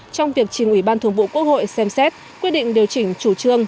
trong việc trình ủy ban thường vụ quốc hội xem xét quyết định điều chỉnh chủ trương